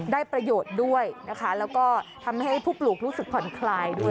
ได้ประโยชน์ด้วยนะคะแล้วก็ทำให้ผู้ปลูกรู้สึกผ่อนคลายด้วย